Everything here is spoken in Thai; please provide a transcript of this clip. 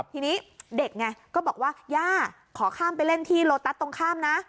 ทีนี้เด็กไงก็บอกว่าย่าขอข้ามไปเล่นที่โลตัสตรงข้ามนะ